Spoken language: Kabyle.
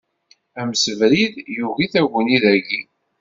Amsebrid yugi taguni dagi.